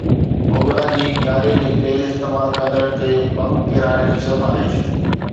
OGRA کي گاري جو تيل استعمال ڪندڙن تي بم ڪيرائڻ جي سفارش